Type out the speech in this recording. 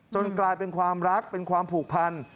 กลายเป็นความรักเป็นความผูกพัน